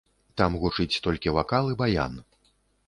Там гучыць толькі вакал і баян.